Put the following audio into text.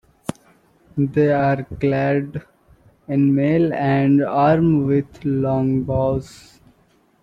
They are clad in mail and armed with longbows.